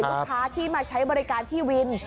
ลูกค้าที่มาใช้บริการที่วิน